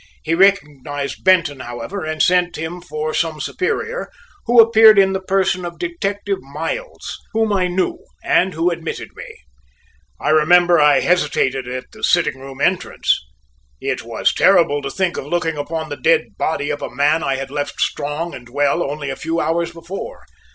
He recognized Benton, however, and sent him for some superior, who appeared in the person of Detective Miles, whom I knew, and who admitted me. I remember I hesitated at the sitting room entrance. It was terrible to think of looking upon the dead body of a man I had left strong and well only a few hours before.